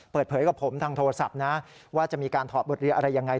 เปิดเผยกับผมทางโทรศัพท์นะว่าจะมีการถอดบทเรียนอะไรยังไง